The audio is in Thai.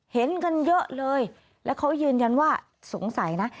เห็นกันเยอะเลยแล้วเขายืนยันว่าสงสัยนะ